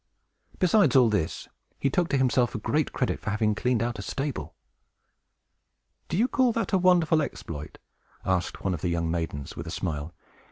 Besides all this, he took to himself great credit for having cleaned out a stable. "Do you call that a wonderful exploit?" asked one of the young maidens, with a smile.